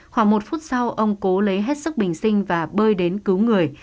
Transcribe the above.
khoảng một phút sau ông cố lấy hết sức bình sinh và bơi đến cứu người